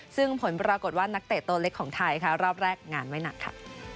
ซึ่งผลปรากฏว่านักเตะตัวเล็กของไทยค่ะรอบแรกงานไม่หนักค่ะ